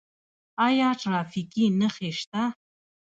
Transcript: آیا ټرافیکي نښې شته؟